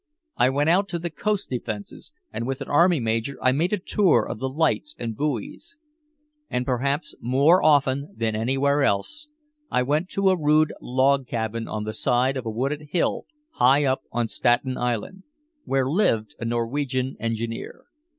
I went out to the coast defenses, and with an army major I made a tour of the lights and buoys. And perhaps more often than anywhere else, I went to a rude log cabin on the side of a wooded hill high up on Staten Island, where lived a Norwegian engineer.